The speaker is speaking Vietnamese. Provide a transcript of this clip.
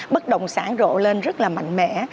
bất động sản rộ lên rất là mạnh mẽ